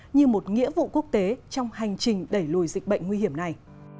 như một nghĩa vụ quốc tế trong hành trình đẩy lùi dịch bệnh nguy hiểm này